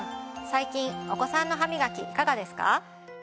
最近お子さんの歯みがきいかがですか？